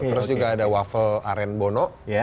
terus juga ada waffle aren bono